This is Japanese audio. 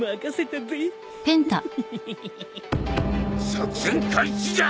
作戦開始じゃ！